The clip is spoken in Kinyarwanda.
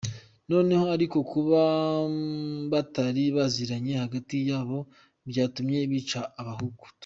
Noneho ariko kuba batari baziranye hagati yabo, byatumye bica abahutu.